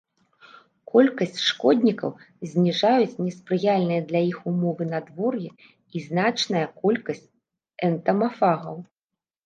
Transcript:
Колькасць шкоднікаў зніжаюць неспрыяльныя для іх ўмовы надвор'я і значная колькасць энтамафагаў.